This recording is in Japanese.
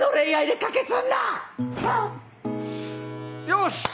よし！